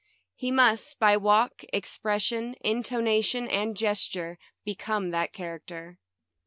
He must, by walk, expression, intonation, and gesture, become that char acter.